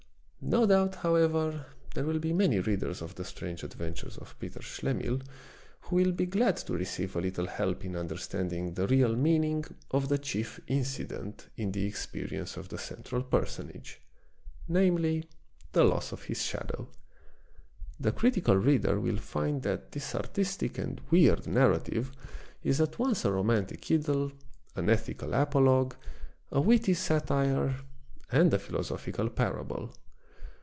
No doubt, however, there will be many readers of the strange adventures of Peter Schlemihl who will be glad to receive a little help in understanding the real meaning of the chief incident in the experience of the central personage ; namely, the loss of his shadow. The critical reader will find that this artistic and weird nar rative is at once a romantic idyl, an ethical apologue, a witty satire, and a philosophical parable.